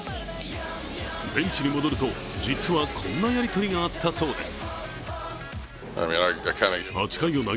ベンチに戻ると実はこんなやりとりがあったそうです。